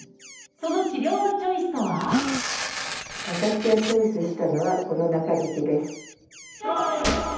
その治療のチョイスとは私がチョイスしたのはこの中敷きです。